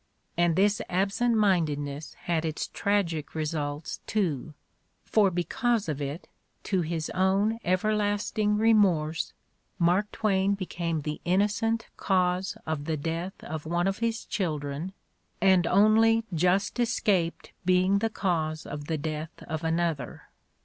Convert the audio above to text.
And this absent mindedness had its tragic results too, for because of it, to his own everlasting remorse, Mark Twain became the innocent cause of the death of one of his children and only just escaped being the cause of the death of another.